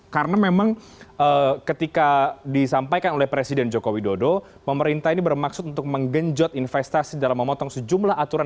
karena memang ketika disampaikan oleh presiden joko widodo pemerintah ini bermaksud untuk menggenjot investasi dalam memotong sejumlah aturan